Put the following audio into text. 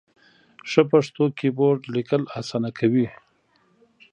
ښه پښتو کېبورډ ، لیکل اسانه کوي.